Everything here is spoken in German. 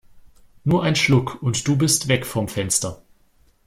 Nur ein Schluck und du bist weg vom Fenster!